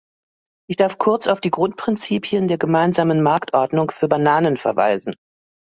Ich darf kurz auf die Grundprinzipien der gemeinsamen Marktordnung für Bananen verweisen.